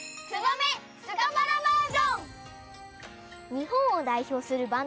にほんをだいひょうするバンド